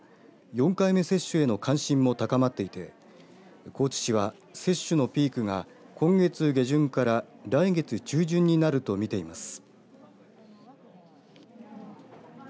４回目接種への関心も高まっていて高知市は、接種のピークが今月下旬から来月中旬になると見ています。